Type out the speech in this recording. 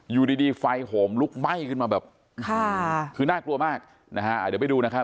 อยู่ดีดีไฟโหมลุกไหม้ขึ้นมาแบบค่ะคือน่ากลัวมากนะฮะเดี๋ยวไปดูนะครับ